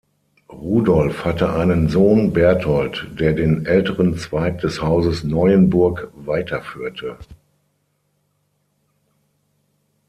Rudolf hatte einen Sohn, Berthold, der den älteren Zweig des Hauses Neuenburg weiterführte.